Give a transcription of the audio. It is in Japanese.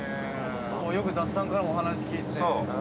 よく伊達さんからもお話聞いてて。